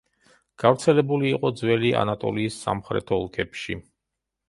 გავრცელებული იყო ძველი ანატოლიის სამხრეთ ოლქებში.